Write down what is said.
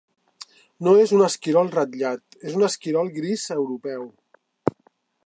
No és un esquirol ratllat: és un esquirol gris europeu.